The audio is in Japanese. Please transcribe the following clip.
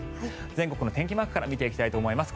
全国の天気マークから見ていきたいと思います。